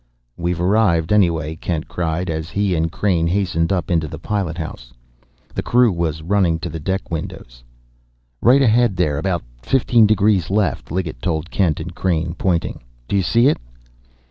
"We've arrived, anyway!" Kent cried, as he and Crain hastened up into the pilot house. The crew was running to the deck windows. "Right ahead there, about fifteen degrees left," Liggett told Kent and Crain, pointing. "Do you see it?"